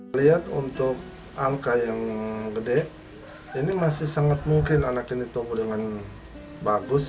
melihat untuk angka yang gede ini masih sangat mungkin anak ini tumbuh dengan bagus